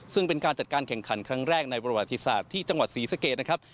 ซึ่งเป็นการจัดการแข่งขันครั้งแรกในประวัติศาสตร์ที่จังหวัดศรีสะเกดนะครับ